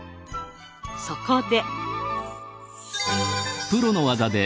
そこで。